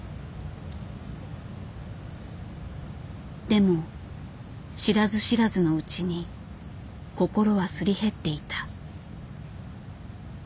でも知らず知らずのうちに心はすり減っていた。